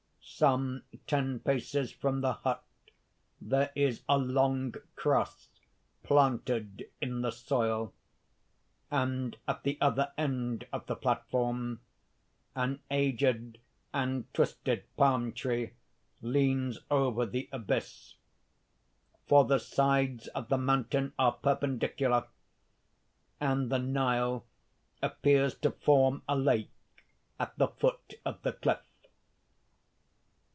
_ _Some ten paces from the hut, there is a long cross planted in the soil; and, at the other end of the platform, an aged and twisted palm tree leans over the abyss; for the sides of the mountain are perpendicular, and the Nile appears to form a lake at the foot of the cliff.